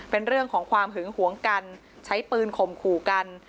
เป็นเรื่องของความหึงหวงกันใช้ปืนข่มขู่กัน